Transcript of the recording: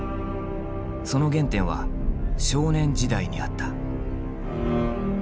その原点は少年時代にあった。